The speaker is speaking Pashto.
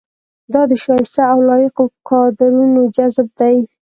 دا د شایسته او لایقو کادرونو جذب دی.